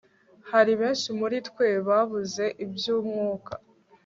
hari benshi muri twe babuze iby'umwuka